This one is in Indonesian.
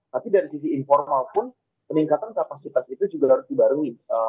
tapi dari sisi informal pun peningkatan kapasitas itu juga harus dibarengi